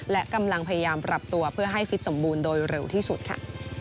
และกำลังพยายามปรับตัวเพื่อให้ฟิตสมบูรณ์โดยเร็วที่สุดค่ะ